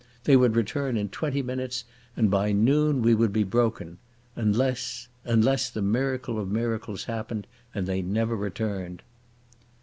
They would return in twenty minutes, and by noon we would be broken. Unless—unless the miracle of miracles happened, and they never returned.